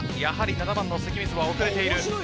やはり７番のセキミズは遅れている。